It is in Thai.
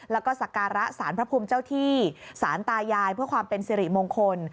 แล้วก็สการะสารพระภูมิเจ้าที่สารตายายเพื่อความเป็นสิริมงคล